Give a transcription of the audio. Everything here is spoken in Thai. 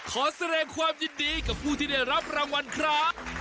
ขอแสดงความยินดีกับผู้ที่ได้รับรางวัลครับ